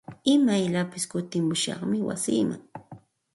Imayllapis kutimushaqmi wasiiman.